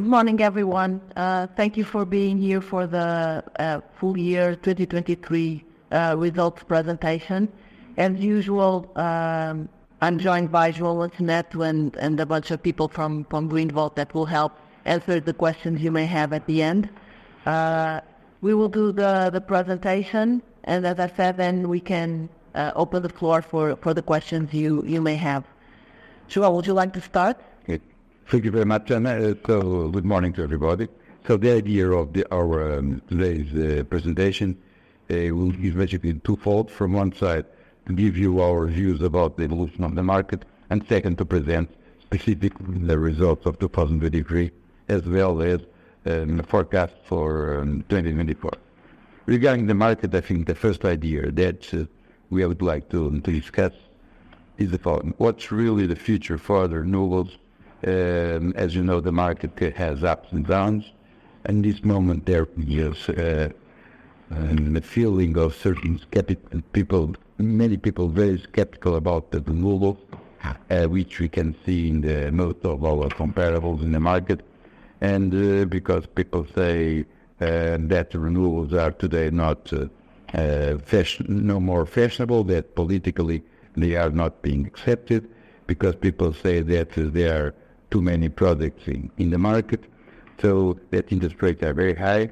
Good morning, everyone. Thank you for being here for the full year 2023 results presentation. As usual, I'm joined by João Manso Neto and a bunch of people from Greenvolt that will help answer the questions you may have at the end. We will do the presentation, and as I said, then we can open the floor for the questions you may have. João, would you like to start? Okay. Thank you very much, Ana. So good morning to everybody. So the idea of our today's presentation will be basically twofold. From one side, to give you our views about the evolution of the market, and second, to present specifically the results of 2023, as well as the forecast for 2024. Regarding the market, I think the first idea that we would like to discuss is the following: what's really the future for the renewables? As you know, the market has ups and downs, and at this moment there is a feeling of certain skeptical people, many people very skeptical about the renewables, which we can see in most of our comparables in the market. Because people say that renewables are today not fashionable no more, that politically they are not being accepted, because people say that there are too many products in the market, so that interest rates are very high.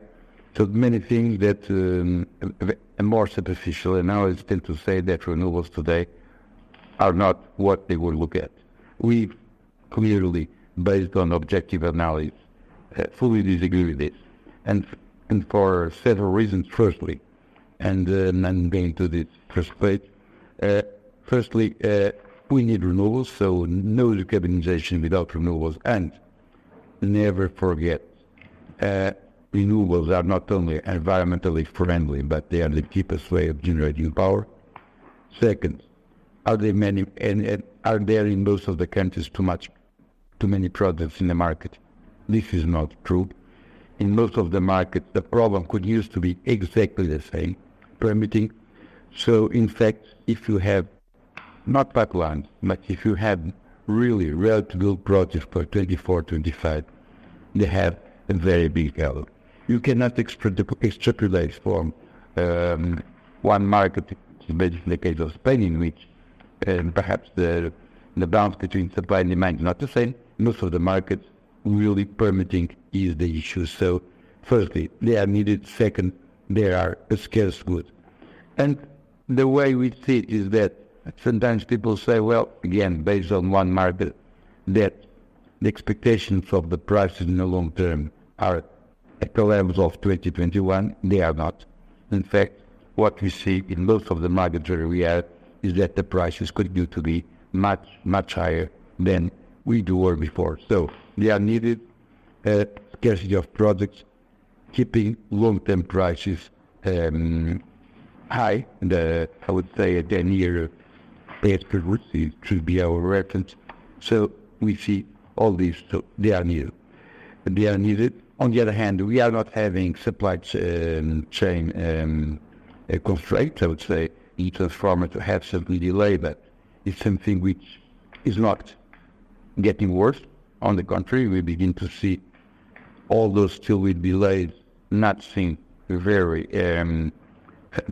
So many things that are more superficial analysis than to say that renewables today are not what they would look at. We've clearly, based on objective analysis, fully disagree with this, and for several reasons. Firstly, I'm going to this first page. Firstly, we need renewables, so no decarbonization without renewables. Never forget, renewables are not only environmentally friendly, but they are the cheapest way of generating power. Second, are there many and are there, in most of the countries, too many products in the market? This is not true. In most of the markets, the problem continues to be exactly the same: permitting. So in fact, if you have not pipelines, but if you have really ready-to-build projects for 2024, 2025, they have a very big value. You cannot extrapolate from one market, which is basically the case of Spain, in which perhaps the balance between supply and demand is not the same. Most of the markets, really permitting is the issue. So firstly, they are needed. Second, they are a scarce good. And the way we see it is that sometimes people say, well, again, based on one market, that the expectations of the prices in the long term are at the levels of 2021. They are not. In fact, what we see in most of the markets where we are is that the prices continue to be much, much higher than we do or before. So they are needed, a scarcity of products, keeping long-term prices high. I would say a 10-year period should be, should be our reference. So we see all these, so they are needed. They are needed. On the other hand, we are not having supply chain constraint. I would say each transformer to have certainly delay, but it's something which is not getting worse. On the contrary, we begin to see all those still with delays, nothing very a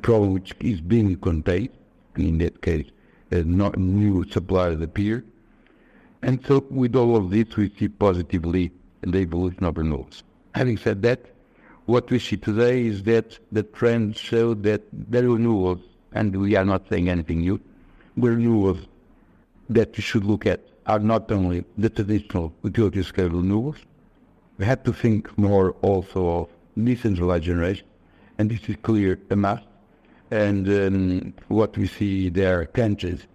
problem which is being contained. In that case, not new supply appear. And so with all of this, we see positively the evolution of renewables. Having said that, what we see today is that the trends show that the renewables, and we are not saying anything new, the renewables that we should look at are not only the traditional Utility-Scale renewables. We have to think more also of decentralized generation, and this is clear enough. And what we see there are countries,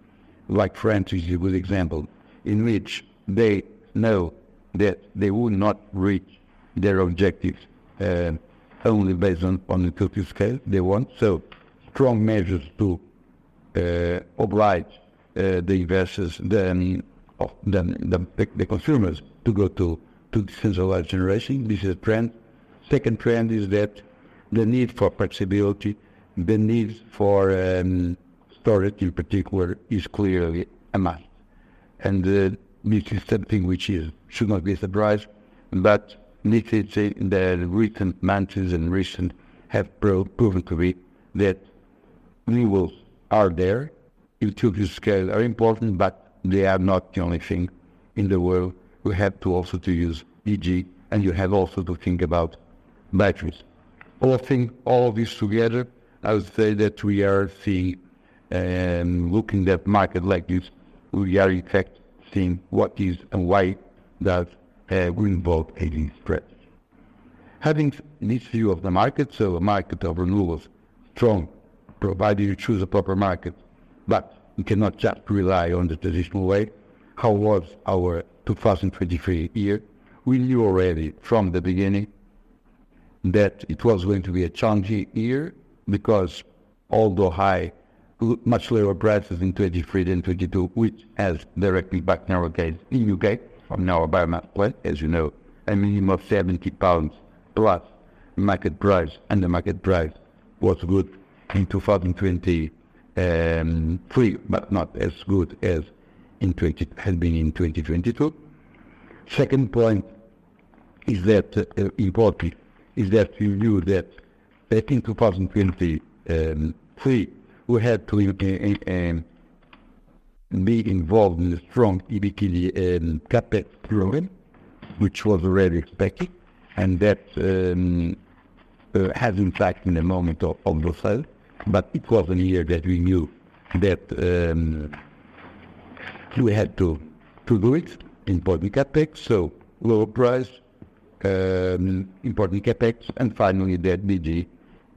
like France is a good example, in which they know that they will not reach their objectives only based on the Utility-Scale. They want so strong measures to oblige the investors, then the consumers to go to decentralized generation. This is a trend. Second trend is that the need for flexibility, the need for storage, in particular, is clearly a must, and this is something which is should not be a surprise. But need to say that recent months have proven to be that renewables are there. Utility scales are important, but they are not the only thing in the world. We have also to use DG, and you have also to think about batteries. All of this together, I would say that we are seeing, looking at market like this, we are in fact seeing what is and why that Greenvolt is spread. Having this view of the market, so a market of renewables, strong, provided you choose a proper market, but you cannot just rely on the traditional way. How was our 2023 year? We knew already from the beginning that it was going to be a challenging year, because although high, much lower prices in 2023 than 2022, which has directly impacted our Biomass plant in the U.K., as you know, a minimum of 70 pounds plus market price, and the market price was good in 2023, but not as good as it has been in 2022. Second point is that important is that we knew that back in 2023 we had to be involved in a strong EBITDA CapEx program, which was already expected, and that has impacted the timing of those sales. But it was a year that we knew that we had to do important CapEx, so lower price, important CapEx. And finally, that DG,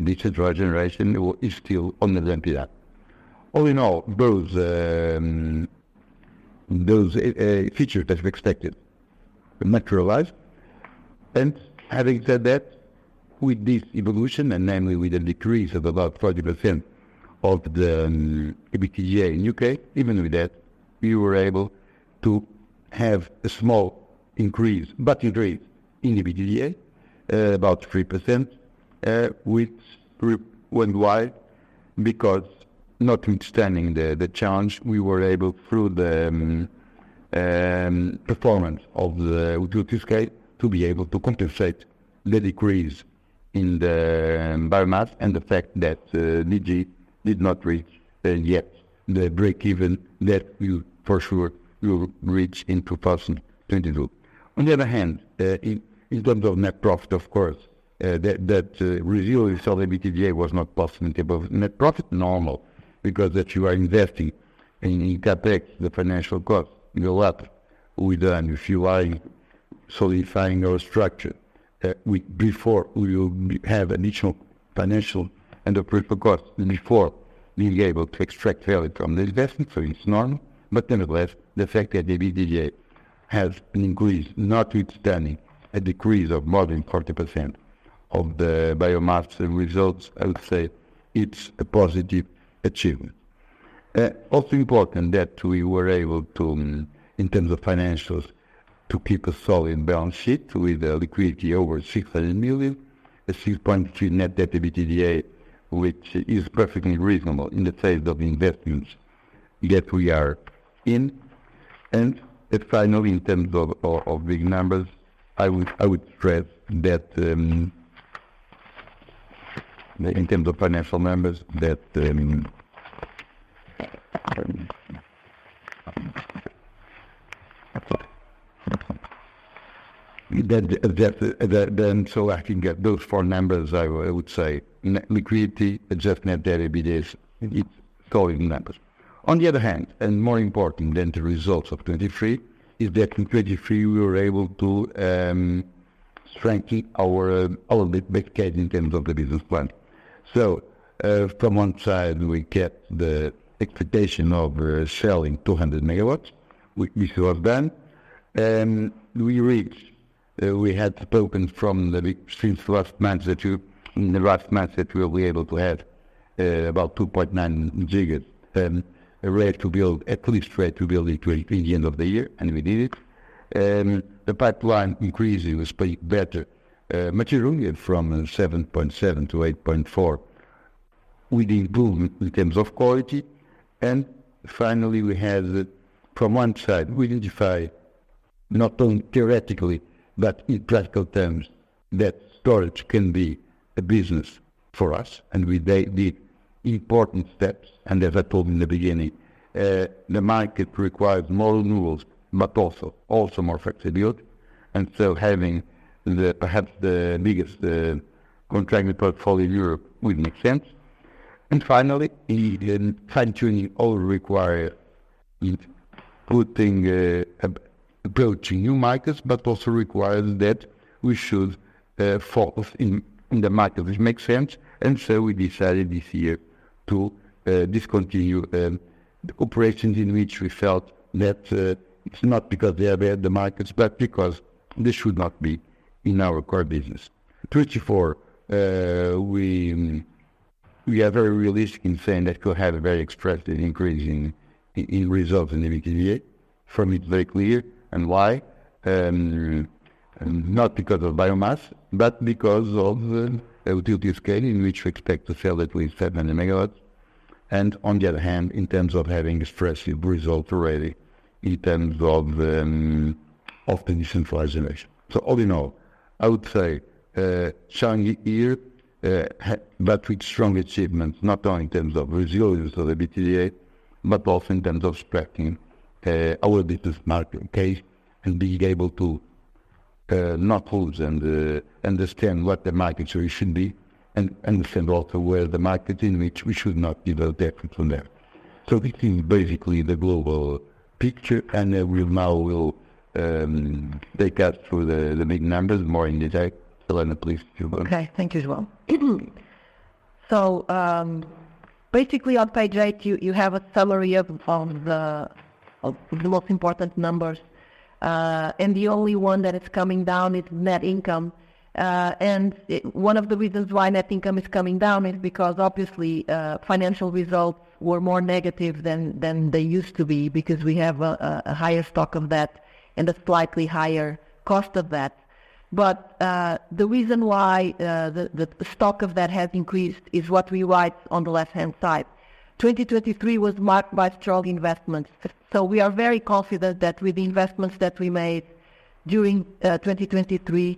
Distributed Generation, is still on the ramp-up. All in all, those features that we expected materialized. And having said that, with this evolution, and namely with a decrease of about 40% of the EBITDA in the U.K., even with that, we were able to have a small increase, but increase in the EBITDA, about 3%. Which really went wide because, notwithstanding the challenge, we were able, through the performance of the Utility-Scale, to be able to compensate the decrease in the Biomass and the fact that DG did not reach yet the break-even that we will for sure reach in 2022. On the other hand, in terms of net profit, of course, that resilience of the EBITDA was not possible in terms of net profit. Normal, because that you are investing in CapEx, the financial costs go up with them. If you are solidifying our structure, before we will have additional financial and operational costs than before being able to extract value from the investment. So it's normal, but nonetheless, the fact that the EBITDA has increased, notwithstanding a decrease of more than 40% of the Biomass results, I would say it's a positive achievement. Also important that we were able to, in terms of financials, to keep a solid balance sheet with a liquidity over 600 million, a 6.3 net debt to EBITDA, which is perfectly reasonable in the phase of investments that we are in. And finally, in terms of big numbers, I would stress that in terms of financial numbers, so I can get those four numbers, I would say: net liquidity, adjusted net debt to EBITDA. It's solid numbers. On the other hand, and more important than the results of 2023, is that in 2023 we were able to strengthen our business case in terms of the business plan. So from one side, we kept the expectation of selling 200 MW, which was done. We reached. We had spoken since last month, that in the last month, that we will be able to have about Ready to Build, at least Ready to Build it in the end of the year, and we did it. The pipeline increasing was pretty better materially from 7.7 GW to 8.4 GW. We improved in terms of quality, and finally, we had from one side, we identify, not only theoretically, but in practical terms, that storage can be a business for us, and we did important steps. As I told you in the beginning, the market requires more renewables, but also more flexibility. So having the, perhaps the biggest contracted portfolio in Europe will make sense. And finally, in fine-tuning all require including, approaching new markets, but also requires that we should, focus in the market. This makes sense, and so we decided this year to discontinue the operations in which we felt that... It's not because they are bad markets, but because they should not be in our core business. In 2024, we are very realistic in saying that we could have a very expressive increase in results in EBITDA. For me, it's very clear, and why? Not because of Biomass, but because of the Utility-Scale, in which we expect to sell at least 700 MW. And on the other hand, in terms of having expressive results already, in terms of the Distributed Generation. So all in all, I would say, challenging year, but with strong achievements, not only in terms of resilience of the EBITDA, but also in terms of strengthening, our business market case, and being able to, not lose and, understand what the market situation should be, and understand also where the market in which we should not be developing from there. So this is basically the global picture, and, we now will, take us through the big numbers more in detail. Ana, please, you go. Okay. Thank you, João. So, basically, on page eight, you have a summary of the most important numbers. And the only one that is coming down is net income. And it—one of the reasons why net income is coming down is because, obviously, financial results were more negative than they used to be, because we have a higher stock of debt and a slightly higher cost of debt. But, the reason why the stock of debt has increased is what we write on the left-hand side. 2023 was marked by strong investments, so we are very confident that with the investments that we made during 2023,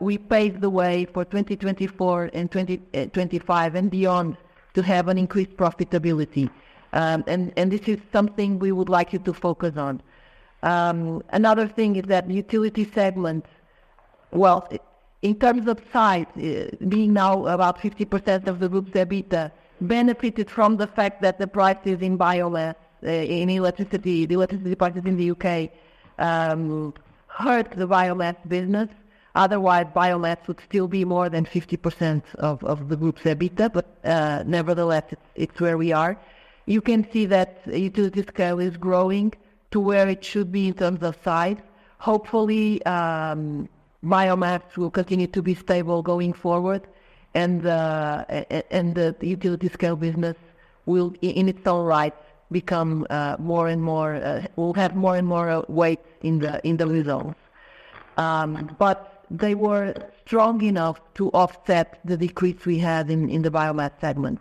we paved the way for 2024 and 2025 and beyond to have an increased profitability. And this is something we would like you to focus on. Another thing is that the Utility-Scale segment, well, in terms of size, being now about 50% of the group's EBITDA, benefited from the fact that the prices in Biomass, in electricity, the electricity prices in the U.K., hurt the Biomass business. Otherwise, Biomass would still be more than 50% of the group's EBITDA, but, nevertheless, it's where we are. You can see that Utility-Scale is growing to where it should be in terms of size. Hopefully, Biomass will continue to be stable going forward, and the Utility-Scale business will, in its own right, become more and more, will have more and more weight in the results. But they were strong enough to offset the decrease we had in the Biomass segment.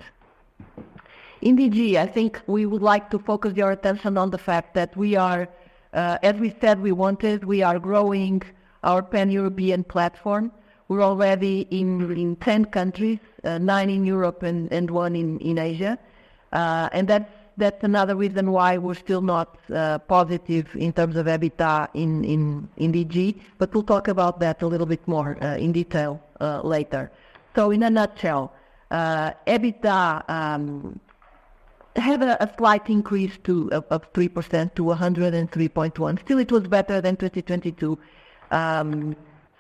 In DG, I think we would like to focus your attention on the fact that we are, as we said we wanted, we are growing our pan-European platform. We're already in 10 countries, nine in Europe and one in Asia. And that's another reason why we're still not positive in terms of EBITDA in DG, but we'll talk about that a little bit more in detail later. So in a nutshell, EBITDA had a slight increase of 3% to 103.1. Still, it was better than 2022.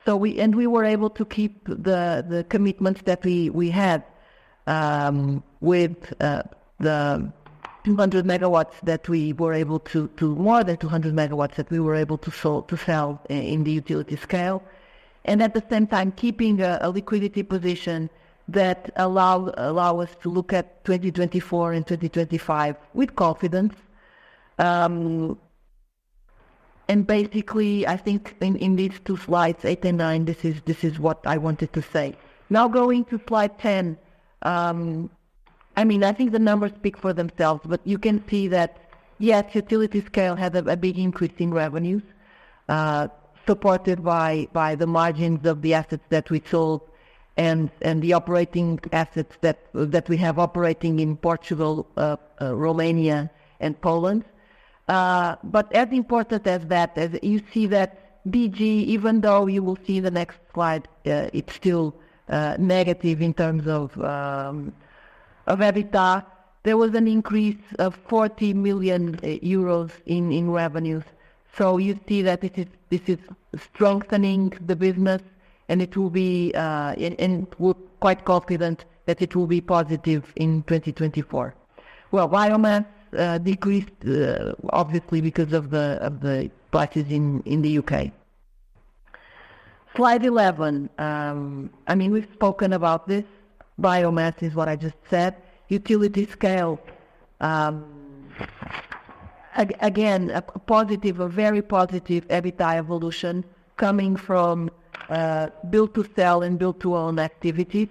We were able to keep the commitments that we had with more than 200 MW that we were able to sell in the Utility-Scale, and at the same time keeping a liquidity position that allow us to look at 2024 and 2025 with confidence. And basically, I think in these two slides 8 and 9, this is what I wanted to say. Now, going to slide 10, I mean, I think the numbers speak for themselves, but you can see that, yes, Utility-Scale had a big increase in revenues, supported by the margins of the assets that we sold and the operating assets that we have operating in Portugal, Romania, and Poland. But as important as that, as you see that DG, even though you will see in the next slide, it's still, negative in terms of, of EBITDA, there was an increase of 40 million, in revenues. So you see that it is—this is strengthening the business, and it will be, and, and we're quite confident that it will be positive in 2024. Well, Biomass decreased, obviously because of the, of the prices in, in the U.K. Slide 11. I mean, we've spoken about this. Biomass is what I just said. Utility-Scale, again, a positive, a very positive EBITDA evolution coming from, build-to-sell and build-to-own activities.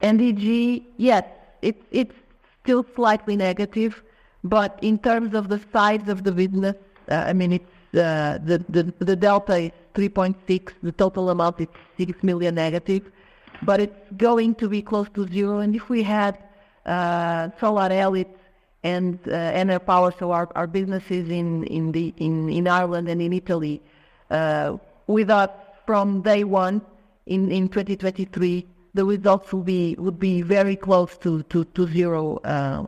And DG, yes, it's, it's still slightly negative, but in terms of the size of the business, I mean, it's the delta is 3.6. The total amount is 6 million negative, but it's going to be close to zero. And if we had Solarelit and Enerpower, so our businesses in Ireland and in Italy with us from day one in 2023, the results would be very close to zero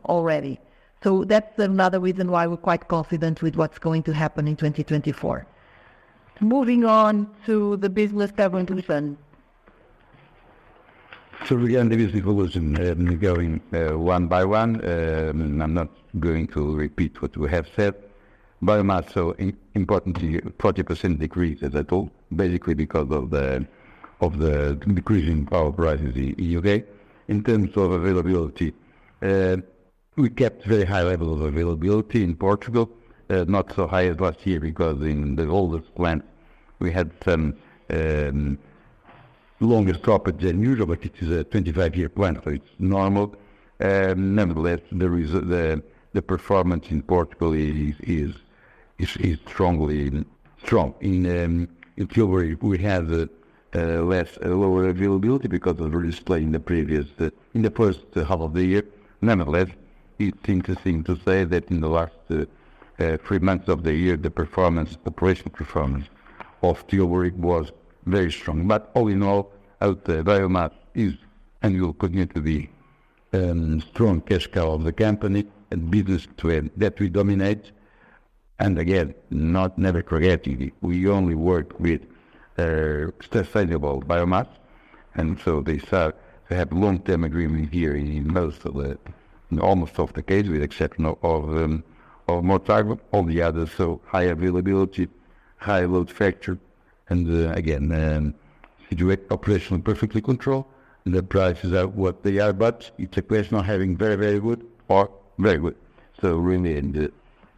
already. So that's another reason why we're quite confident with what's going to happen in 2024. Moving on to the business segment with João. So again, the business evolution, going one by one, I'm not going to repeat what we have said. Biomass, so importantly, 40% decrease as I told, basically because of the decrease in power prices in U.K. In terms of availability, we kept very high level of availability in Portugal, not so high as last year because in the oldest plant, we had some longer stoppage than usual, but it is a 25-year plant, so it's normal. Nevertheless, the performance in Portugal is strong. In Tilbury, we had less lower availability because of the delay in the first half of the year. Nevertheless, it's interesting to say that in the last three months of the year, the operational performance of Tilbury was very strong. But all in all, our Biomass is and will continue to be a strong cash cow of the company and business that we dominate. And again, never forget, we only work with sustainable Biomass, and so these are have long-term agreements here in most—in almost all the cases, with the exception of Mortágua, all the others. So high availability, high load factor, and again, directly operationally perfectly controlled, and the prices are what they are, but it's a question of having very, very good or very good. So really,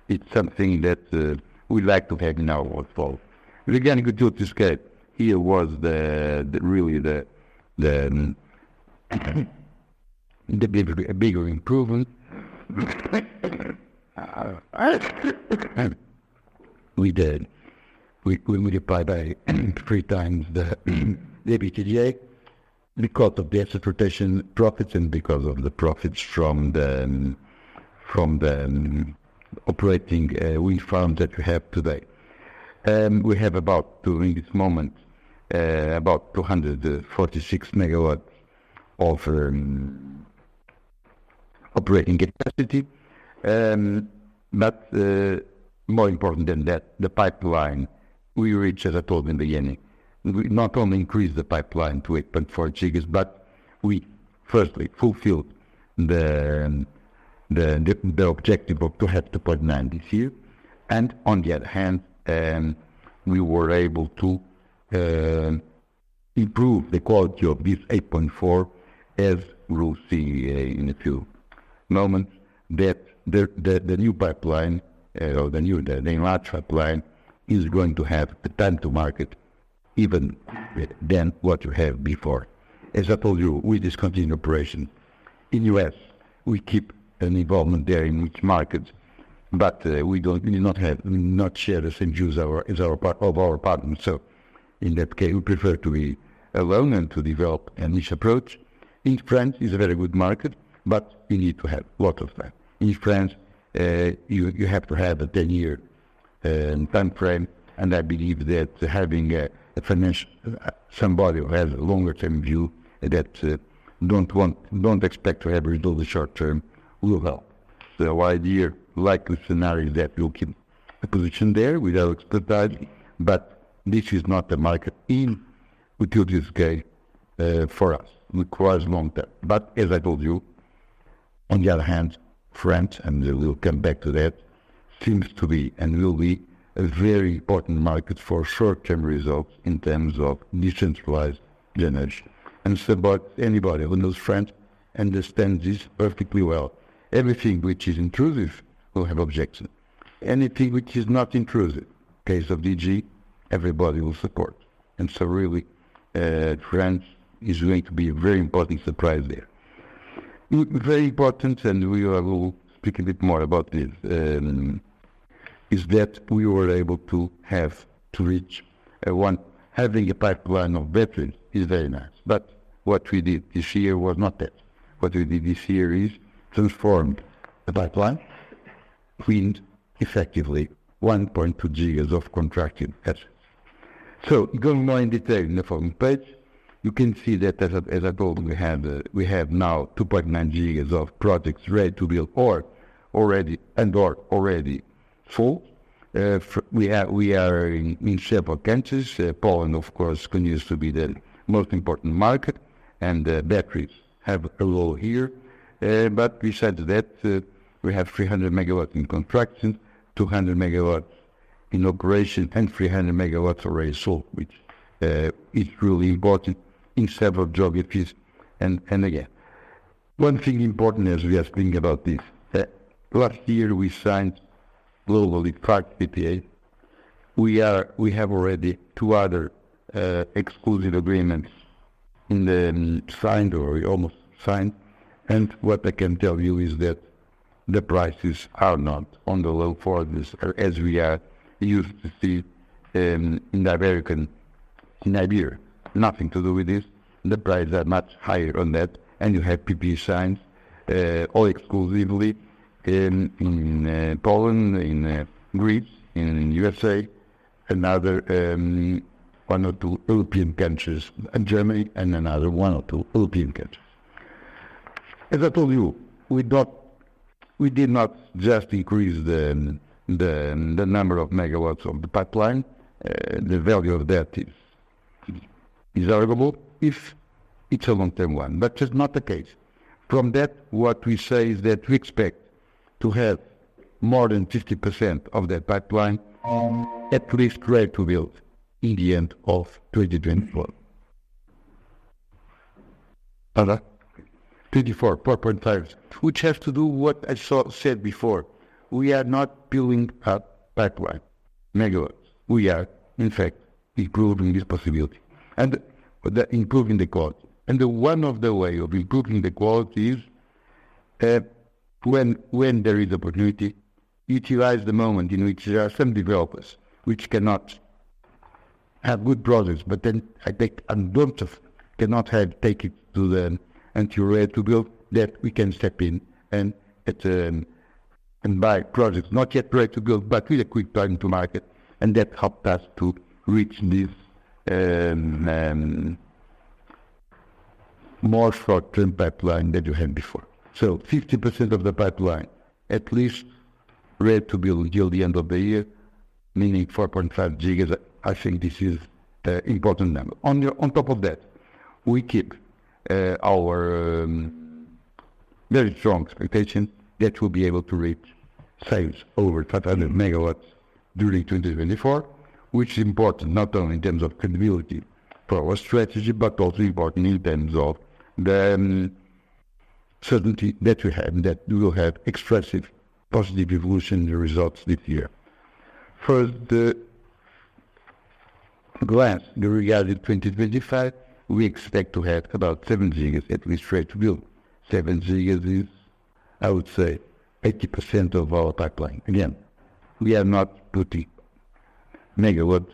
and it's something that we like to have in our portfolio. But again, Utility-Scale, here was the, the, really the big, a bigger improvement. We did. We multiplied by 3x the EBITDA because of the asset rotation profits and because of the profits from the operating wind farm that we have today. We have about, during this moment, about 246 MW of operating capacity. But more important than that, the pipeline we reached, as I told you in the beginning, we not only increased the pipeline to 8.4 GW, but we firstly fulfilled the objective of to have 2.9 GW this year. On the other hand, we were able to improve the quality of this 8.4 GW, as we'll see in a few moments, that the new pipeline or the enlarged pipeline is going to have the time to market even than what you have before. As I told you, we discontinued operation in the U.S. We keep an involvement there in which market, but we don't share the same views as our partners. So in that case, we prefer to be alone and to develop a niche approach. In France, it's a very good market, but you need to have a lot of time. In France, you have to have a ten-year time frame, and I believe that having a financial somebody who has a longer-term view that don't want, don't expect to have results in the short term will help. So our idea, likely scenario, is that we'll keep a position there without expertise, but this is not a market in which, until this case, for us, requires long-term. But as I told you, on the other hand, France, and we will come back to that, seems to be and will be a very important market for short-term results in terms of decentralized energy. So about anybody who knows France understands this perfectly well. Everything which is intrusive will have objection. Anything which is not intrusive, case of DG, everybody will support. Really, France is going to be a very important surprise there. Very important, and we will speak a bit more about this. It is that we were able to have to reach one. Having a pipeline of batteries is very nice, but what we did this year was not that. What we did this year is transformed the pipeline between effectively 1.2 GW of contracted assets. So going more in detail in the following page, you can see that as I told you, we have now 2.9 GW of projects Ready to Build or already, and/or already full. We are in several countries. Poland, of course, continues to be the most important market, and the batteries have a role here. But besides that, we have 300 MW in construction, 200 MW in operation, and 300 MW already sold, which is really important in several geographies. And again, one thing important as we are speaking about this, last year, we signed globally 5 PPA. We have already 2 other exclusive agreements in discussion or almost signed. And what I can tell you is that the prices are not on the low for this, as we are used to see in America, in Iberia. Nothing to do with this. The prices are much higher on that, and you have PPA signed all exclusively in Poland, in Greece, in U.S.A, another one or two European countries, and Germany, and another one or two European countries. As I told you, we did not just increase the number of MW of the pipeline. The value of that is valuable if it's a long-term one, but it's not the case. From that, what we say is that we expect to have more than 50% of that pipeline at least Ready to Build in the end of 2024. 2024, 4.5 GW, which has to do with what I said before. We are not building a pipeline MW. We are, in fact, improving this possibility and improving the quality. The one of the way of improving the quality is, when, when there is opportunity, utilize the moment in which there are some developers which cannot have good projects, but then I take a bunch of cannot have take it to the until Ready to Build, that we can step in and, and buy projects not yet Ready to Build, but with a quick time to market, and that helped us to reach this more short-term pipeline than you had before. So 50% of the pipeline at least Ready to Build till the end of the year, meaning 4.5 GW. I think this is a important number. On top of that, we keep our very strong expectation that we'll be able to reach sales over 2,000 MW during 2024, which is important not only in terms of credibility for our strategy, but also important in terms of the certainty that we have that we will have expressive positive evolution results this year. First glance, regarding 2025, we expect to have about 7 GW at least Ready to Build. 7 GW is, I would say, 80% of our pipeline. Again, we are not putting MW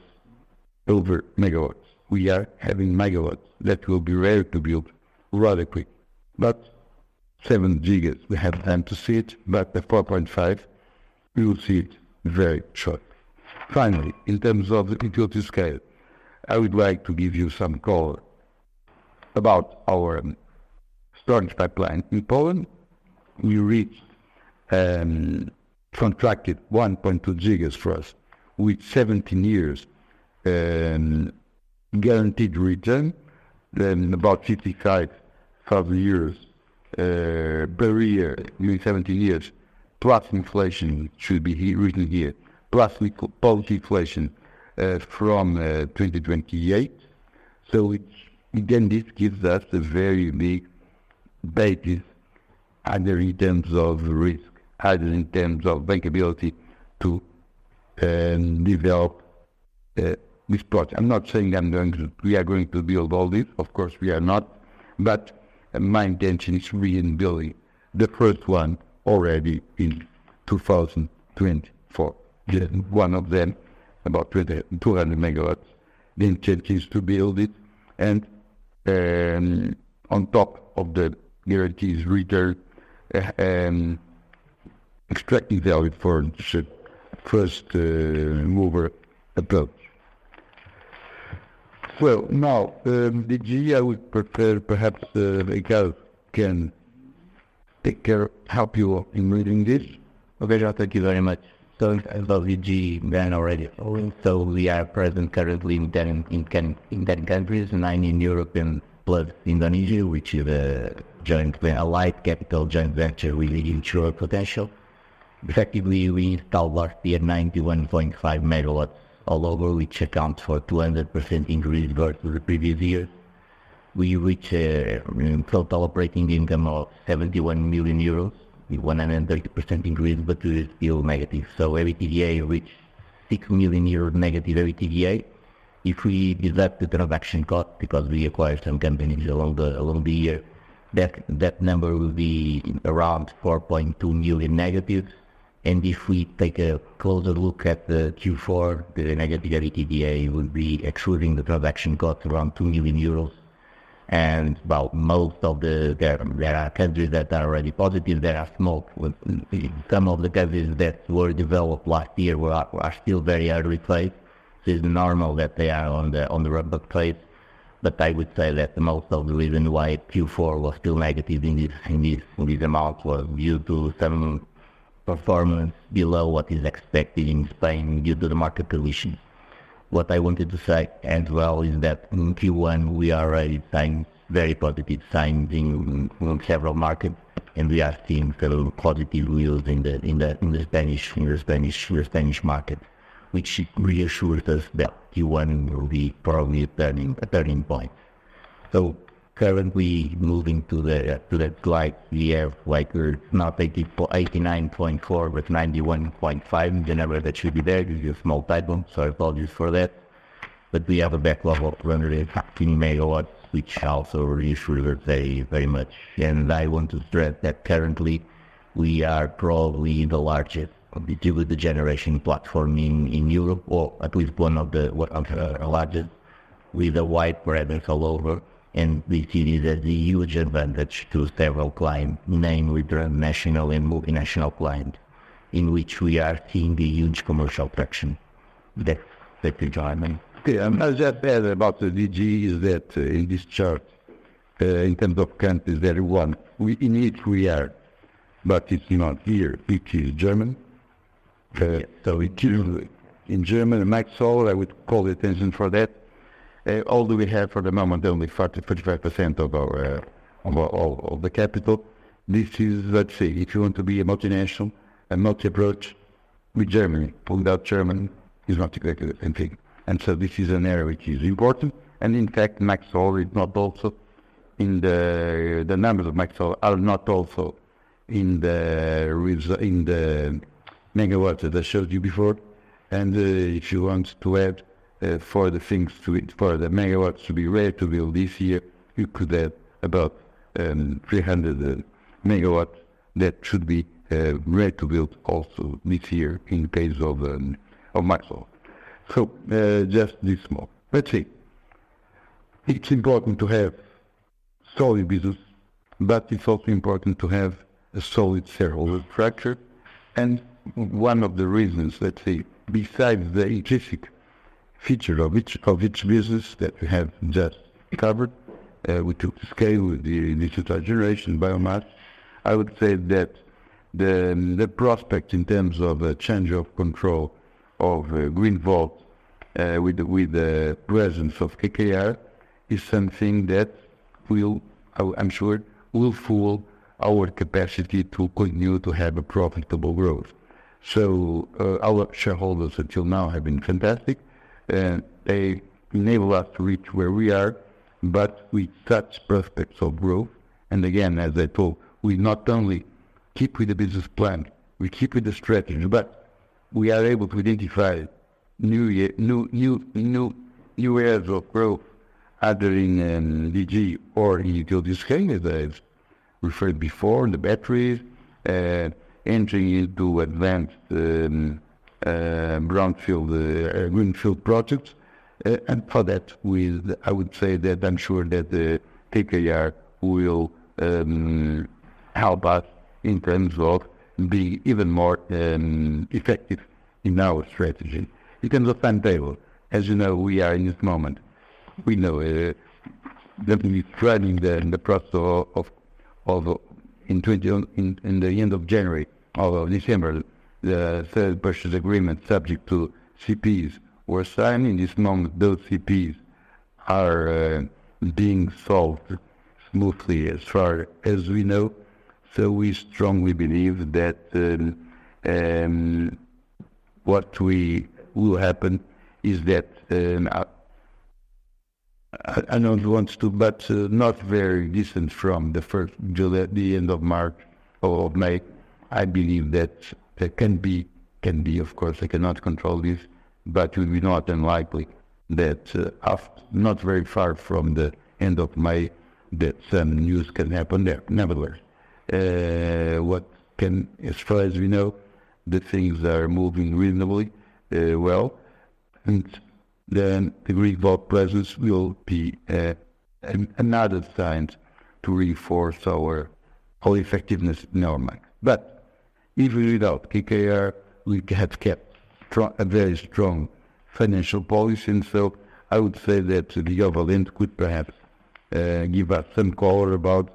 over MW. We are having MW that will be Ready to Build rather quick. But 7 GW, we have time to see it, but the 4.5, we will see it very shortly. Finally, in terms of Utility-Scale, I would like to give you some call about our storage pipeline. In Poland, we reached, contracted 1.2 GW for us, with 17 years, guaranteed return, then about 55 million per year, during 17 years, plus inflation should be here, written here, plus we-- post inflation, from 2028. So which, again, this gives us a very big basis, either in terms of risk, either in terms of bankability to, develop, this project. I'm not saying I'm going to-- we are going to build all this, of course we are not, but my intention is to begin building the first one already in 2024. Yeah, one of them, about 200 MW, the intention is to build it. And, on top of the guaranteed return, extracting value for the first-mover approach. Well, now, DG, I would prefer perhaps Miguel can take care, help you in reading this. Okay, João, thank you very much. So, about DG, then already following. So we are present currently in 10 countries, nine in Europe and plus Indonesia, which is a joint venture with Prudential. Effectively, we installed last year 91.5 MW all over, which accounts for 200% increase versus the previous year. We reach a total operating income of 71 million euros, with 130% increase, but we are still negative. So EBITDA reached 6 million euros negative EBITDA. If we deduct the transaction cost, because we acquired some companies along the year, that number will be around 4.2 million negative. And if we take a closer look at the Q4, the negative EBITDA would be excluding the transaction cost, around 2 million euros. And, well, most of there are countries that are already positive; there are small. With some of the countries that were developed last year are still very early stage, so it's normal that they are on the ramp-up stage. But I would say that most of the reason why Q4 was still negative in this amount was due to some performance below what is expected in Spain, due to the market conditions. What I wanted to say as well is that in Q1, we are already seeing very positive signs in several markets, and we are seeing several positive wheels in the Spanish market, which reassures us that Q1 will be probably a turning point. So currently, moving to the slide, we have like we're not 84 MW, 89.4 MW, but 91.5 MW. The number that should be there, there's a small typo, so apologies for that. But we have a backlog of 215 MW, which also reassures us very, very much. And I want to stress that currently, we are probably the largest Distributed Generation platform in Europe, or at least one of the largest, with a wide presence all over. And we see this as a huge advantage to several client, namely transnational and multinational client, in which we are seeing a huge commercial traction. Thank you, João. Okay, and I'll just add about the DG, is that in this chart, in terms of countries, there is one. We are in it, but it's not here, which is Germany. So it is in Germany, MaxSolar. I would call attention to that. Although we have for the moment only 40%-45% of our capital, this is, let's say, if you want to be a multinational and multi approach with Germany, without Germany, it's not exactly the same thing. And so this is an area which is important, and in fact, MaxSolar is not also in the numbers of MaxSolar are not also in the rest in the MW that I showed you before. And if you want to add for the things to it, for the MW to be Ready to Build this year, you could add about 300 MW that should be Ready to Build also this year in case of MaxSolar. So just this small. Let's see. It's important to have solid business, but it's also important to have a solid shareholder structure. And one of the reasons, let's say, besides the intrinsic feature of each, of each business that we have just covered, with Utility-Scale, with the Distributed Generation, Biomass, I would say that the prospect in terms of a change of control of Greenvolt, with the presence of KKR, is something that will, I'm sure, will fuel our capacity to continue to have a profitable growth. So, our shareholders until now have been fantastic, they enable us to reach where we are, but with such prospects of growth, and again, as I told, we not only keep with the business plan, we keep with the strategy, but we are able to identify new areas of growth, either in DG or in utilities, as I've referred before, the batteries, entering into advanced brownfield, Greenfield projects. And for that, we, I would say that I'm sure that the KKR will help us in terms of being even more effective in our strategy. In terms of timetable, as you know, we are in this moment. We know the company is entering the process of in the end of January of December, the sale purchase agreement subject to CPs were signed. In this moment, those CPs are being solved smoothly, as far as we know. So we strongly believe that, what will happen is that, I don't want to, but not very distant from the end of March or of May, I believe that it can be of course, I cannot control this, but it would be not unlikely that, not very far from the end of May, that some news can happen there. Nevertheless, as far as we know, the things are moving reasonably well, and then the Greenvolt presence will be another sign to reinforce our whole effectiveness in our mind. But even without KKR, we have kept strong, a very strong financial position, so I would say that the other end could perhaps give us some color about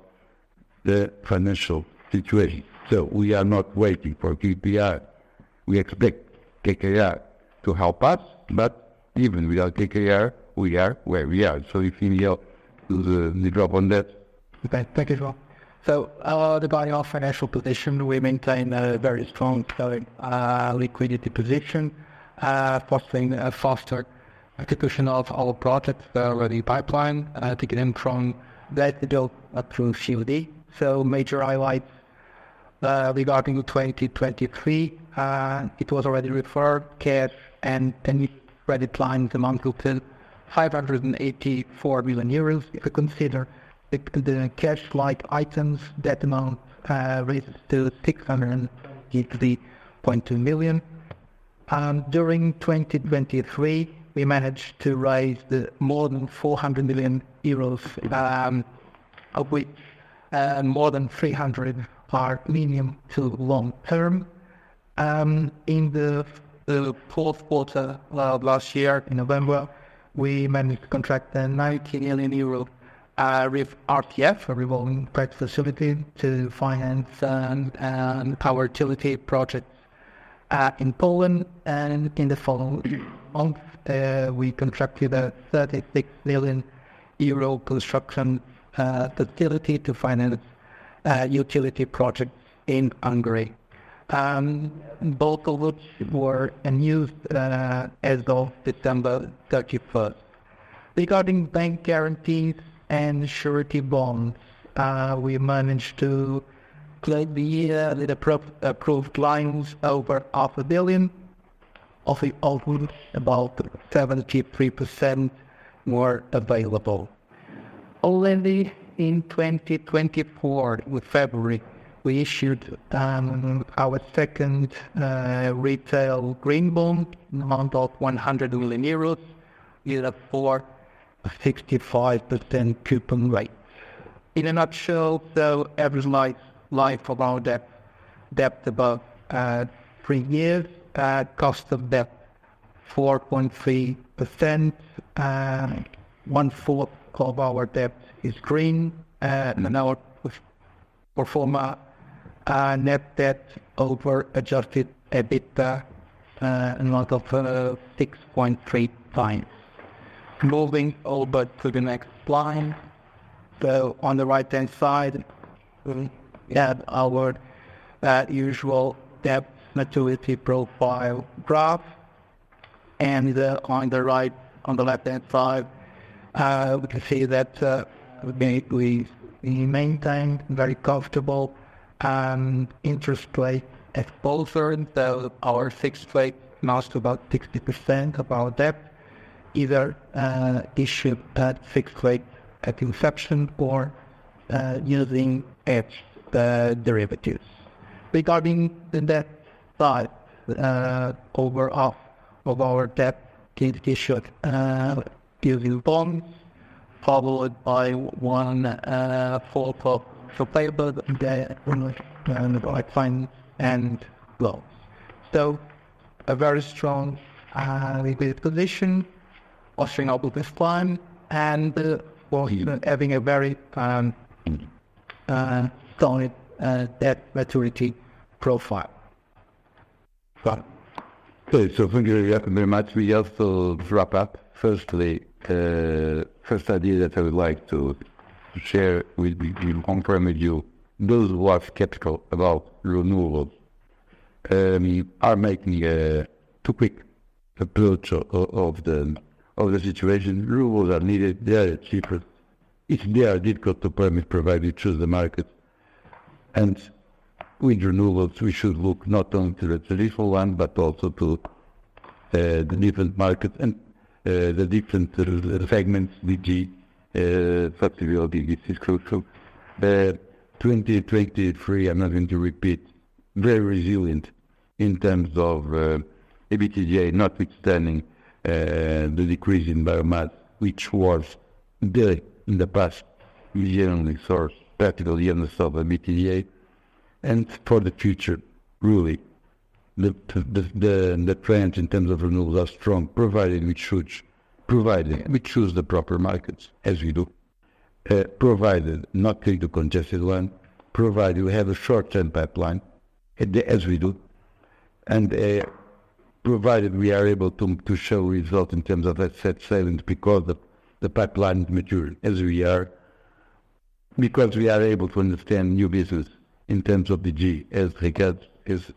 the financial situation. So we are not waiting for PPR. We expect KKR to help us, but even without KKR, we are where we are. So if you need help, drop on that. Okay, thank you, João. So, regarding our financial position, we maintain a very strong liquidity position, fostering a faster execution of our projects that are already pipeline, taking them from that build through COD. So major highlights, regarding 2023, it was already referred, cash and credit lines amount to 584 million euros. If you consider the cash-like items, that amount raises to 683.2 million. During 2023, we managed to raise more than 400 million euros, of which more than 300 million are medium to long-term. In the fourth quarter of last year, in November, we managed to contract a 90 million euro RCF, Revolving Credit Facility, to finance our utility project in Poland. In the following month, we contracted a 36 million euro construction facility to finance utility projects in Hungary. Both of which were in use as of December 31st. Regarding bank guarantees and surety bonds, we managed to close the year with approved lines over 500 million, of which about 73% were available. Already in February 2024, we issued our second retail green bond amount of EUR 100 million, with a 4.65% coupon rate. In a nutshell, though, average life of our debt about 3 years, cost of debt 4.3%. One fourth of our debt is green, and our pro forma net debt over adjusted EBITDA amount of 6.3x. Moving over to the next line, so on the right-hand side, we have our usual debt maturity profile graph, and on the left-hand side, we can see that we maintain very comfortable interest rate exposure. So our fixed rate amounts to about 60% of our debt, either issued at fixed rate at inception or using hedge derivatives. Regarding the debt side, over half of our debt is issued using bonds, followed by one fourth of payables, and then, like, finance and loans. So a very strong liquid position, fostering our business plan, and while having a very solid debt maturity profile. So thank you very much. We have to wrap up. Firstly, first idea that I would like to share with you, confirm with you, those who are skeptical about renewables are making a too quick approach of the situation. Renewables are needed, they are cheaper. If they are difficult to permit, provided through the market. And with renewables, we should look not only to the traditional one, but also to the different markets and the different segments, DG, flexibility. This is crucial. 2023, I'm not going to repeat, very resilient in terms of EBITDA, notwithstanding the decrease in Biomass, which was, in the past, the only source, practically only source of EBITDA. And for the future, really, the trends in terms of renewables are strong, provided we choose provided we choose the proper markets, as we do. Provided not take the congested one, provided we have a short-term pipeline, as we do, and provided we are able to, to show results in terms of asset sales, because the, the pipeline is mature, as we are. Because we are able to understand new business in terms of DG, as Ricardo has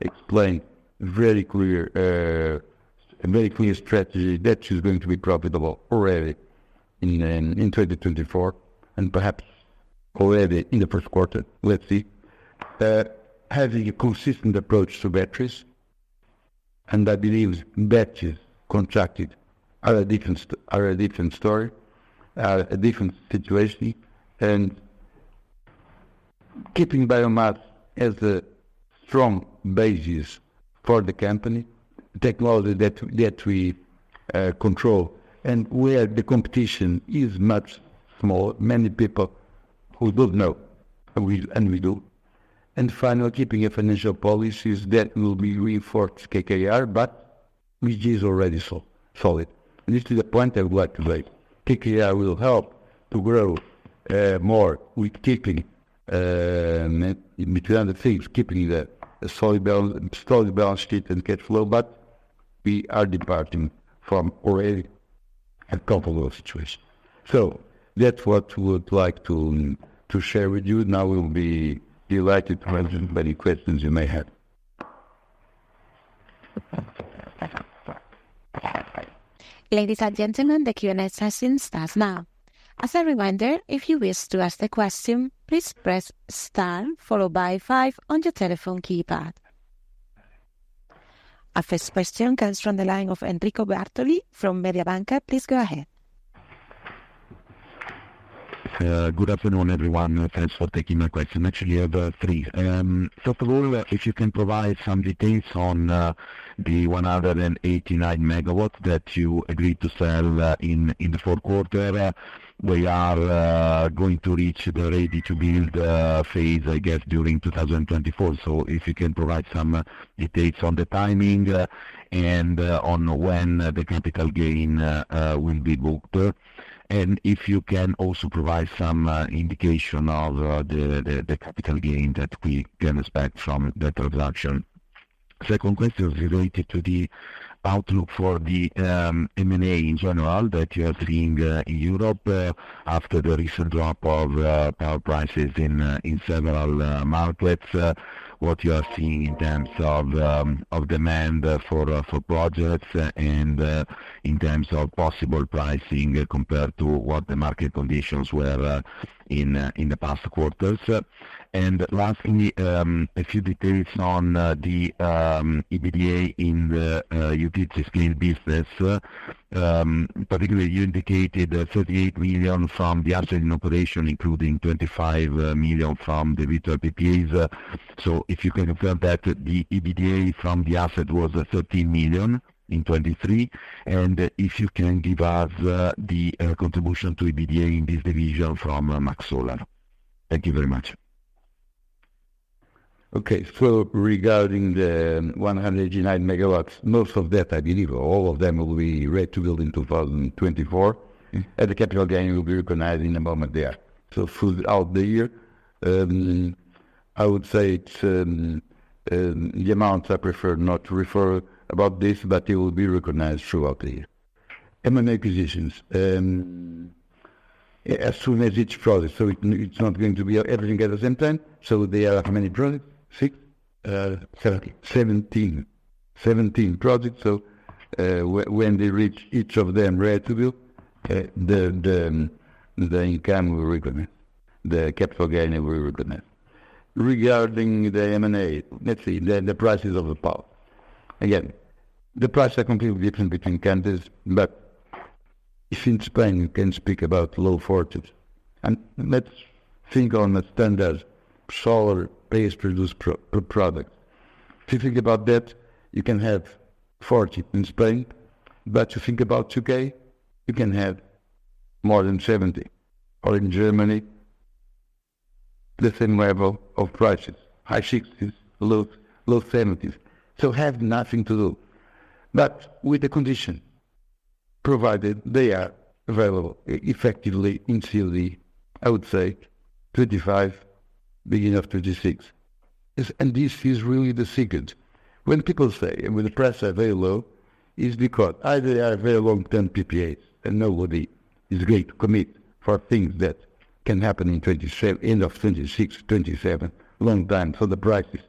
explained, very clear, a very clear strategy that is going to be profitable already in, in 2024, and perhaps already in the first quarter. Let's see. Having a consistent approach to batteries, and I believe batteries contracted are a different story, are a different situation. And keeping Biomass as a strong basis for the company, technology that, that we control, and where the competition is much small. Many people who don't know, and we, and we do. And finally, keeping a financial policies that will be reinforced KKR, but which is already so solid. And this is the point I would like to make, KKR will help to grow more with keeping, between other things, keeping the solid balance sheet and cash flow, but we are departing from already a comfortable situation. So that's what we would like to share with you. Now, we'll be delighted to answer any questions you may have. Ladies and gentlemen, the Q&A session starts now. As a reminder, if you wish to ask a question, please press star followed by five on your telephone keypad. Our first question comes from the line of Enrico Bartoli from Mediobanca. Please go ahead. Good afternoon, everyone. Thanks for taking my question. Actually, I have three. First of all, if you can provide some details on the 189 MW that you agreed to sell in the fourth quarter. We are going to reach the Ready to Build phase, I guess, during 2024. So if you can provide some details on the timing and on when the capital gain will be booked. And if you can also provide some indication of the capital gain that we can expect from the transaction. Second question is related to the outlook for the M&A in general that you are seeing in Europe after the recent drop of power prices in several markets. What you are seeing in terms of demand for projects and in terms of possible pricing compared to what the market conditions were in the past quarters? And lastly, a few details on the EBITDA in the utility-scale business. Particularly, you indicated 38 million from the assets in operation, including 25 million from the virtual PPAs. So if you can confirm that the EBITDA from the asset was 13 million in 2023, and if you can give us the contribution to EBITDA in this division from MaxSolar. Thank you very much. Okay. So regarding the 189 MW, most of that, I believe, or all of them will be Ready to Build in 2024, and the capital gain will be recognized in the moment they are. So throughout the year, I would say it's, the amounts I prefer not to refer about this, but it will be recognized throughout the year. M&A acquisitions, as soon as each project, so it, it's not going to be everything at the same time. So there are how many projects? 6. Seventeen. 17 projects. So, when they reach each of them Ready to Build, the income we recognize, the capital gain we recognize. Regarding the M&A, let's see, the prices of the power. Again, the prices are completely different between countries, but if in Spain, you can speak about low EUR 40s. And let's think on a standard solar-based product. If you think about that, you can have 40 in Spain, but you think about the U.K., you can have more than EUR 70s, or in Germany, the same level of prices, high EUR 60s, low EUR 70s. So have nothing to do. But with the condition provided, they are available effectively on COD, I would say 2025, beginning of 2026. Yes, and this is really the secret. When people say, "When the prices are very low, is because either they are very long-term PPAs, and nobody is going to commit for things that can happen in 2027, end of 2026, 2027, long time for the prices.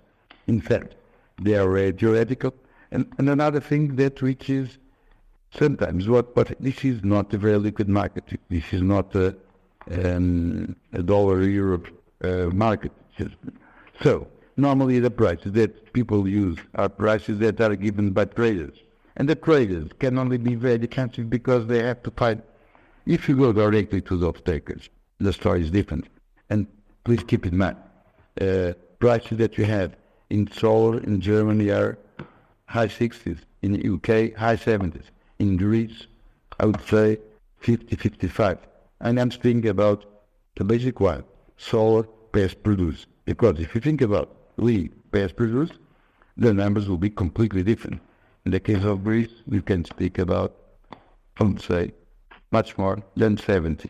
In fact, they are very theoretical. And this is not a very liquid market. This is not a dollar, euro market. Just so normally the prices that people use are prices that are given by traders, and the traders can only be very expensive because they have to fight. If you go directly to the off-takers, the story is different. And please keep in mind, prices that you have in solar, in Germany are high EUR 60s, in U.K., high EUR 70s. In Greece, I would say 50, 55. And I'm speaking about the basic one, solar pay-as-produced. Because if you think about wind pay-as-produced, the numbers will be completely different. In the case of Greece, we can speak about, I would say, much more than 70.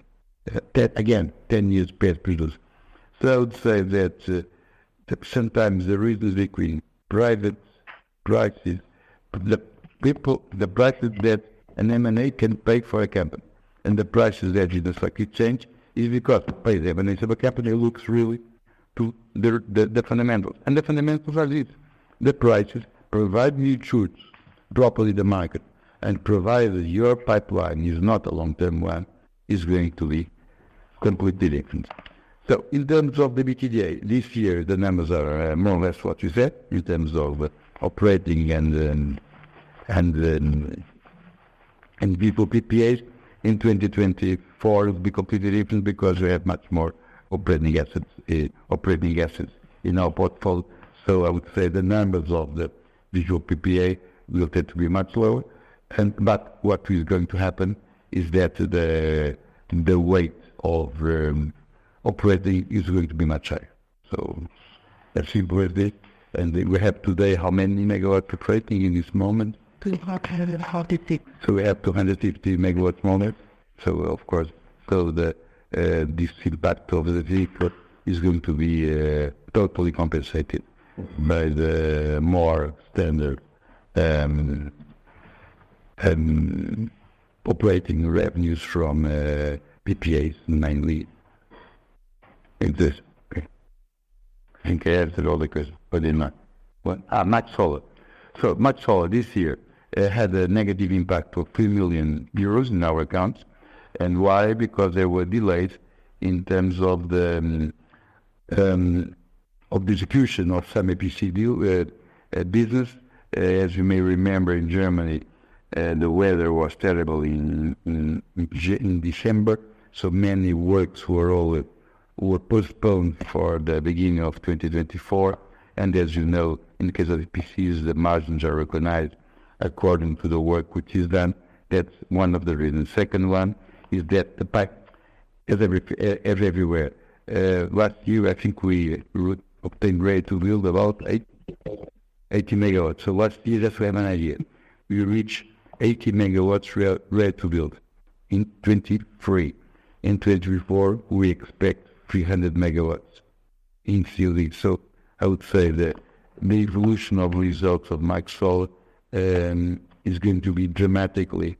Again, 10 years pay-as-produced. So I would say that, sometimes the ratio between private prices, the prices that an M&A can pay for a company, and the prices that do not actually change, is because the M&A of a company looks really to the fundamentals, and the fundamentals are this: the prices, provided you choose properly the market, and provided your pipeline is not a long-term one, is going to be completely different. So in terms of the EBITDA, this year, the numbers are, more or less what you said in terms of operating and, and virtual PPAs. In 2024, it will be completely different because we have much more operating assets, operating assets in our portfolio. So I would say the numbers of the virtual PPA will tend to be much lower, and but what is going to happen is that the weight of operating is going to be much higher. So that's simple as that, and we have today how many MW operating in this moment? 250 MW. So we have 250 MW moment. So of course, the this impact of the virtual is going to be totally compensated by the more standard operating revenues from PPAs, mainly in this. Okay. I think I answered all the questions or did not? What? MaxSolar. So MaxSolar this year had a negative impact of 3 million euros in our accounts, and why? Because there were delays in terms of the of the execution of some EPC deal business. As you may remember, in Germany the weather was terrible in December, so many works were all postponed for the beginning of 2024. And as you know, in case of EPCs, the margins are recognized according to the work which is done. That's one of the reasons. Second one is that the impact is everywhere. Last year, I think we obtained Ready to Build about 80 MW. So last year, just to have an idea, we reached 80 MW Ready to Build in 2023. In 2024, we expect 300 MW in series. So I would say the main evolution of results of MaxSolar is going to be dramatically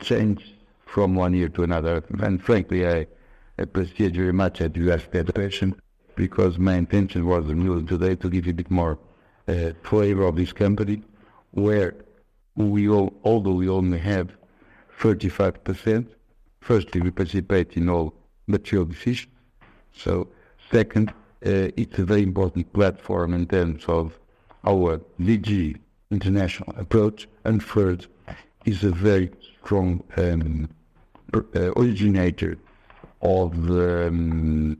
changed from one year to another. And frankly, I appreciate very much that you asked that question because my intention was really today to give you a bit more flavor of this company, where although we only have 35%, firstly, we participate in all material decisions. So second, it's a very important platform in terms of our DG international approach, and third, is a very strong originator of the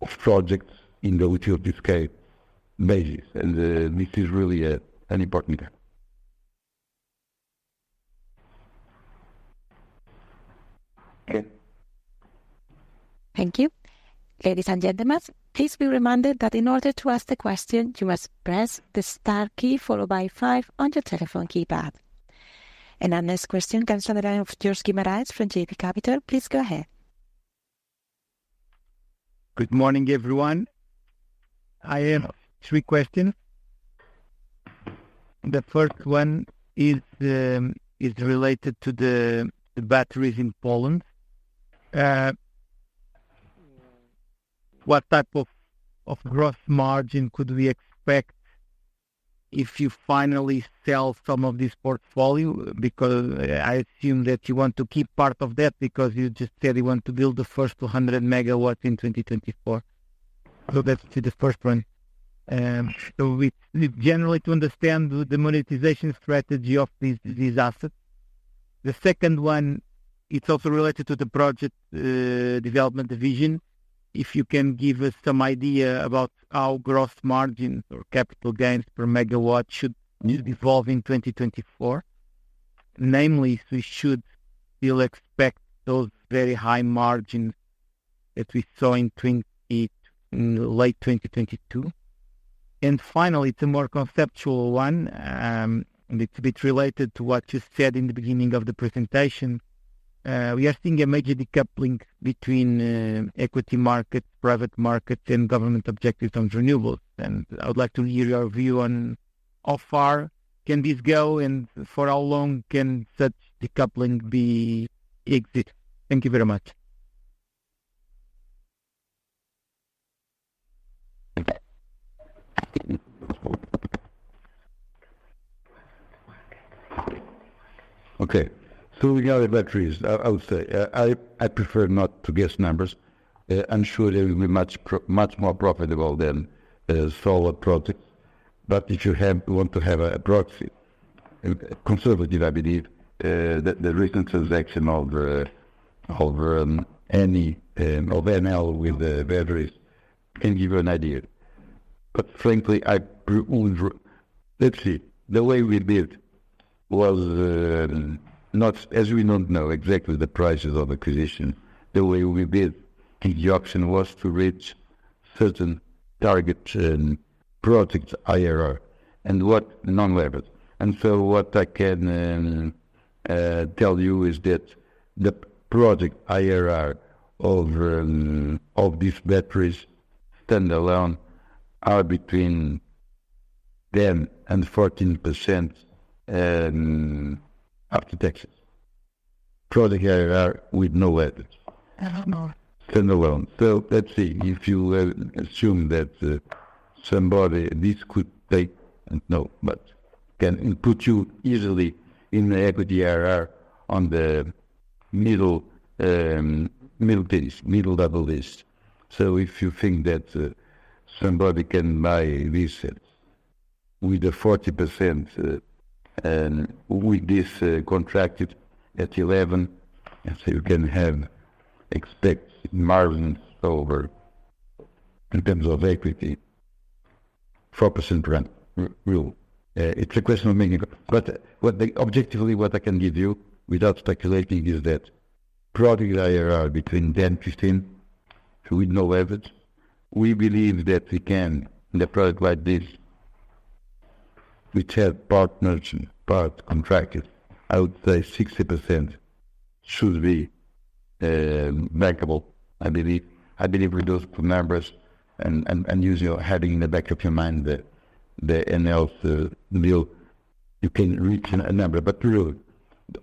of projects in the utility-scale basis, and this is really a an important area. Okay. Thank you. Ladies and gentlemen, please be reminded that in order to ask the question, you must press the star key followed by five on your telephone keypad. Our next question comes on the line of Jorge Guimarães from JB Capital Markets. Please go ahead. Good morning, everyone. I have three questions. The first one is related to the batteries in Poland. What type of gross margin could we expect if you finally sell some of this portfolio? Because I assume that you want to keep part of that, because you just said you want to build the first 200 MW in 2024. So that's the first one. So we generally to understand the monetization strategy of these assets. The second one, it's also related to the project development division. If you can give us some idea about how gross margins or capital gains per MW should evolve in 2024. Namely, we should still expect those very high margins that we saw in late 2022. And finally, the more conceptual one, and it's a bit related to what you said in the beginning of the presentation. We are seeing a major decoupling between equity market, private market, and government objectives on renewables. And I would like to hear your view on how far can this go, and for how long can such decoupling exist? Thank you very much. Okay. So regarding batteries, I would say I prefer not to guess numbers. I'm sure they will be much more profitable than solar projects. But if you want to have a proxy, conservative, I believe the recent transaction of Enel with the batteries can give you an idea. But frankly, I would rather let's see. The way we did was not. As we don't know exactly the prices of acquisition, the way we did, think the option was to reach certain target and project IRR, and what non-leverage. And so what I can tell you is that the project IRR of these batteries standalone are between 10% and 14%, after taxes. Project IRR with no leverage standalone. So let's see, if you assume that somebody, this could take, no, but can put you easily in the equity IRR on the middle, middle tier, middle level list. So if you think that somebody can buy this, with a 40%, and with this contracted at 11%, and so you can have expect margins over in terms of equity, 4% return. Real. It's a question of making, but what the-- objectively, what I can give you without speculating is that project IRR between 10%-15%, with no leverage. We believe that we can, in a project like this, which have partners, part contracted, I would say 60% should be bankable, I believe. I believe with those numbers and, and, and using your heading in the back of your mind, the Enel's deal, you can reach a number. But really,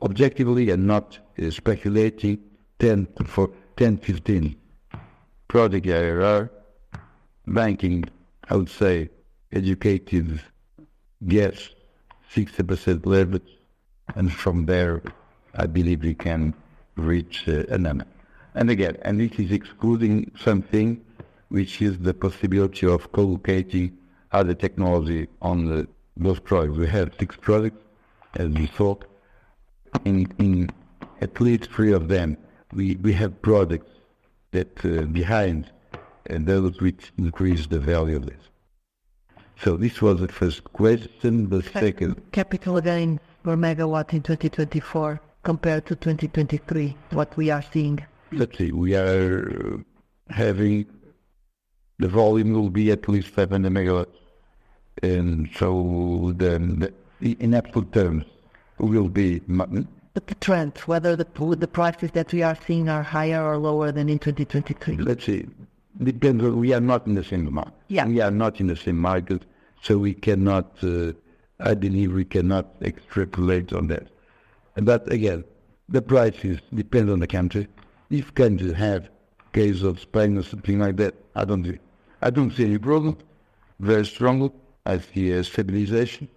objectively and not speculating, 10-15 project IRR. Banking, I would say, educated guess, 60% leverage, and from there, I believe we can reach a number. And again, and this is excluding something, which is the possibility of co-locating other technology on those projects. We have six projects, as we thought, in at least three of them. We have projects that behind, and those which increase the value of this. So this was the first question. The second- Capital gain per MW in 2024 compared to 2023, what we are seeing? Let's see. We are having... The volume will be at least 7 MW, and in absolute terms, we will be- The trend, whether the prices that we are seeing are higher or lower than in 2023. Let's see. Depends on, we are not in the same market. We are not in the same market, so we cannot. I believe we cannot extrapolate on that. But again, the prices depend on the country. If country have case of Spain or something like that, I don't see. I don't see any problem, very strong. I see a stabilization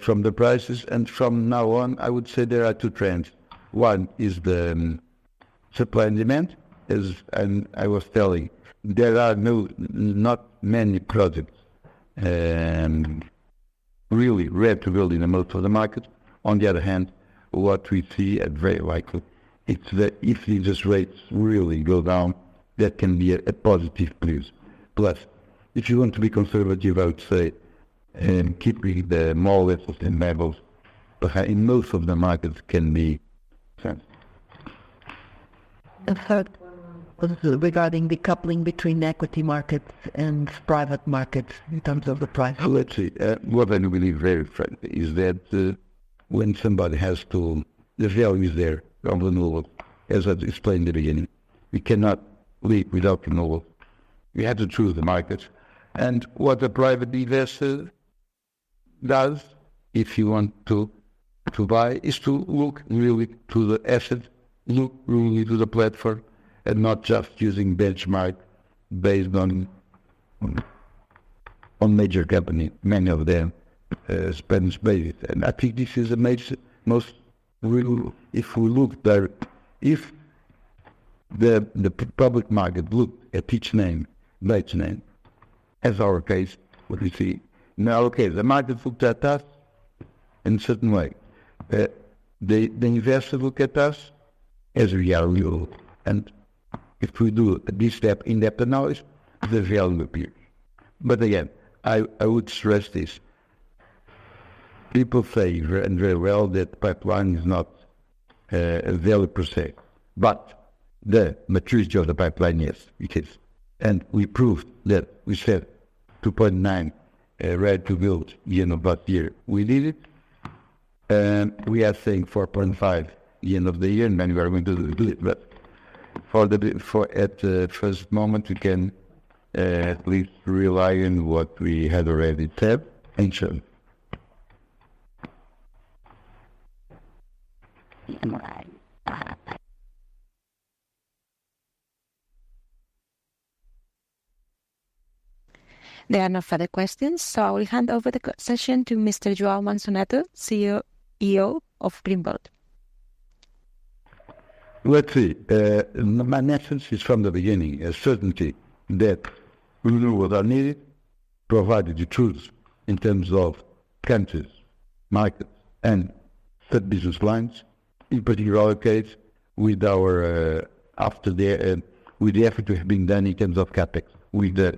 from the prices, and from now on, I would say there are two trends. One is the supply and demand, and I was telling you, there are no, not many projects, really rare to build in the most of the market. On the other hand, what we see, and very likely, it's that if the interest rates really go down, that can be a, a positive news. Plus, if you want to be conservative, I would say, keeping the EBITDA levels, but in most of the markets can be 10%. And third, regarding the coupling between equity markets and private markets in terms of the price. Let's see. What I believe, very frankly, is that, when somebody has to—the value is there of renewable. As I explained in the beginning, we cannot live without renewable. We have to choose the market, and what a private investor does, if you want to, to buy, is to look really to the asset, look really to the platform, and not just using benchmark based on major company, many of them, Spanish-based. And I think this is a major, most real. If the public market looked at each name, each name, as our case, what we see now, okay, the market looked at us in a certain way. The investor look at us as we are real, and if we do this in-depth analysis, the value appears. But again, I would stress this, people say very, very well that pipeline is not a value per se, but the maturity of the pipeline, yes, it is. And we proved that we said 2.9 GW Ready to Build the end of last year. We did it, and we are saying 4.5 GW the end of the year, and then we are going to do it. But at the first moment, we can at least rely on what we had already said and shown. There are no further questions, so I will hand over the session to Mr. João Manso Neto, CEO of Greenvolt. Let's see. My message is from the beginning, a certainty that we knew what are needed, provided the truth in terms of countries, markets, and third business lines. In particular case, with our, after the, with the effort which has been done in terms of CapEx, with the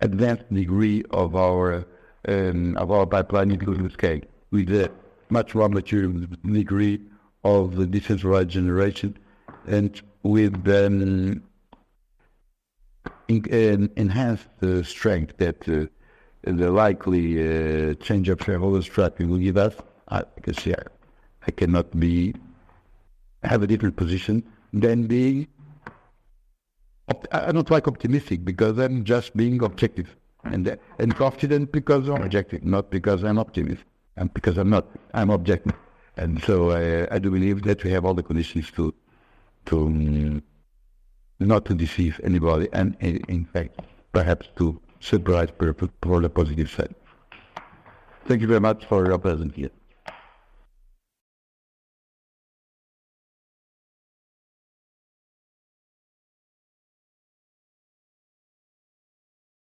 advanced degree of our, of our pipeline including scale, with a much more mature degree of the decentralized generation, and with an in, an enhanced, strength that, the likely, change of shareholder structure will give us. I can say I cannot be have a different position than being, I don't like optimistic because I'm just being objective, and, and confident because I'm objective, not because I'm optimist, and because I'm not. I'm objective. So, I do believe that we have all the conditions to not deceive anybody, and in fact, perhaps to surprise for the positive side. Thank you very much for your presence here.